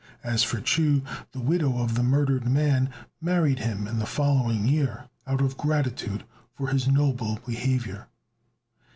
As for Chu, the widow of the murdered man married him in the following year, out of gratitude for his noble behaviour.